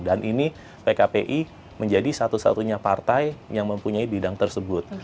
dan ini pkpi menjadi satu satunya partai yang mempunyai kepentingan yang terlalu besar